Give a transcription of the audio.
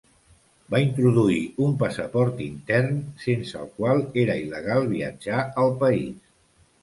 Va introduir un passaport intern sense el qual era il·legal viatjar al país.